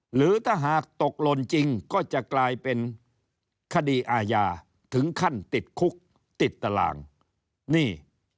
หรือถ้าหากตกหล่นจริงก็จะกลายเป็นคดีอาญาถึงขั้นติดคุกติดตารางนี่